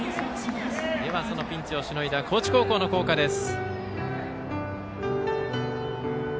そのピンチをしのいだ高知高校の校歌です。